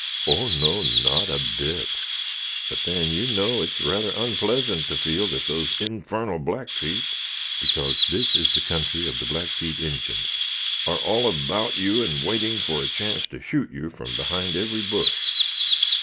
"Oh, no! not a bit; but then you know it's rather unpleasant to feel that those infarnal Blackfeet (because this is the country of the Blackfeet Injins) are all about you, and waiting for a chance to shoot you from behind every bush."